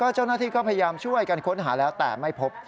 เจ้าหน้าที่ก็พยายามช่วยกันค้นหาแล้วแต่ไม่พบ